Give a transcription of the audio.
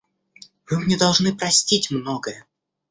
Вы мне должны простить многое.